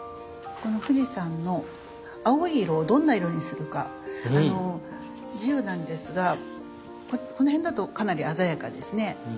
この富士山の青い色をどんな色にするか自由なんですがこの辺だとかなり鮮やかですね。